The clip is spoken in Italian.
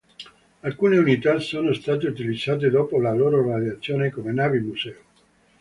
Alcune unità sono state utilizzate dopo la loro radiazione come navi museo.